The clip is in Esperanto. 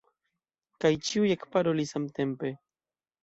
Kaj ĉiuj ekparolis samtempe.